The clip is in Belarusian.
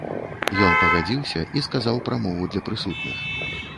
Ён пагадзіўся і сказаў прамову для прысутных.